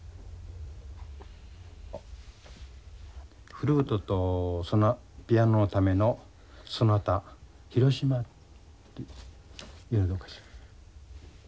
「フルートとピアノのためのソナタヒロシマ」というのはどうかしら？